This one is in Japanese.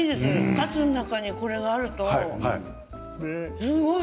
カツの中にこれがあると、すごい。